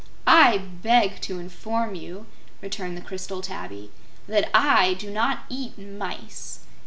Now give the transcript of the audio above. "I beg to inform you," returned the crystal tabby, "that I do not eat mice.